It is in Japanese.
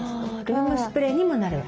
ルームスプレーにもなる。